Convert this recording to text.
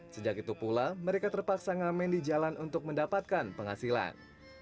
sejak itu pula mereka terpaksa ngamen di jalan untuk mendapatkan penghasilan